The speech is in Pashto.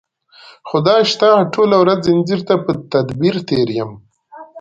خدای شته ټوله ورځ ځنځیر ته په تدبیر یم